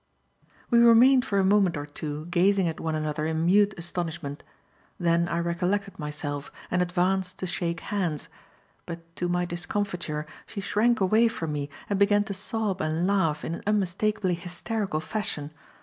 We remained for a moment or two gazing at one another in mute astonishment. Then I recollected myself, and advanced to shake hands; but to my discomfiture, she shrank away from me and began to sob and laugh in an unmistakably hysterical fashion.